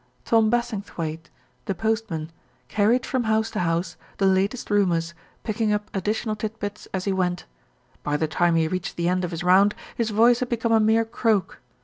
Tom Bassingthwaighte, the postman, carried from house to house the latest rumours, picking up addi tional tit bits as he went. By the time he reached the end of his round, his voice had become a mere croak.